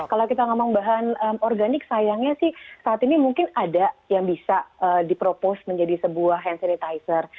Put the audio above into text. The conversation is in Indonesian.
kalau kita ngomong bahan organik sayangnya sih saat ini mungkin ada yang bisa dipropost menjadi sebuah hand sanitizer